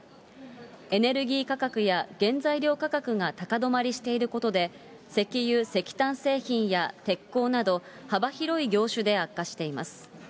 エネルギー価格や原材料価格が高止まりしていることで、石油・石炭製品や鉄鋼など、幅広い業種で悪化しています。